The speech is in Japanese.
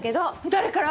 誰から！？